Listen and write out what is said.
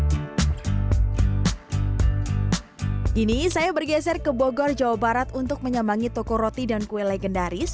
kini saya bergeser ke bogor jawa barat untuk menyambangi toko roti dan kue legendaris